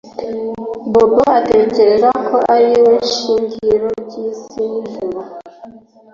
Bobo atekereza ko ari we shingiro ryisi nijuru